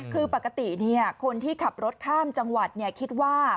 คือปกติคนที่ขับรถข้ามจังหวัดคิดว่า